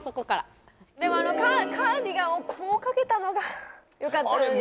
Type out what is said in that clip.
でもカーディガンをこうかけたのがよかったよね